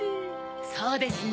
そうですね。